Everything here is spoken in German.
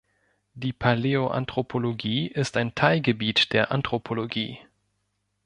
Die Paläoanthropologie ist ein Teilgebiet der Anthropologie.